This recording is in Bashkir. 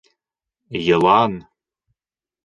Йылан!